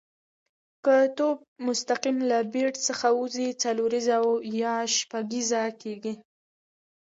که توپ مستقیم له بېټ څخه وځي، څلوریزه یا شپږیزه کیږي.